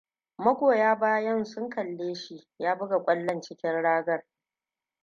Magoyan bayan su kalle shi ya buga kwallon cikin ragan.